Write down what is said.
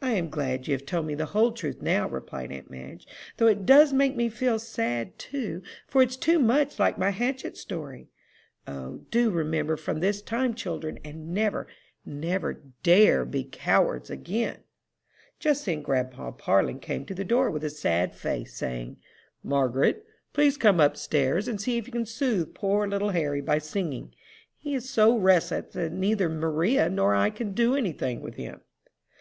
"I am glad you have told me the whole truth now," replied aunt Madge, "though it does make me feel sad, too, for it's too much like my hatchet story. O, do remember from this time, children, and never, never, dare be cowards again!" Just then grandpa Parlin came to the door with a sad face, saying, "Margaret, please come up stairs, and see if you can soothe poor little Harry by singing. He is so restless that neither Maria nor I can do any thing with him."